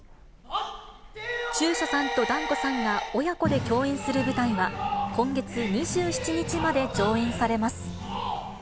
中車さんと團子さんが親子で共演する舞台は、今月２７日まで上演されます。